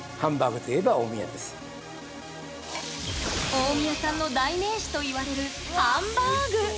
大宮さんの代名詞といわれるハンバーグ。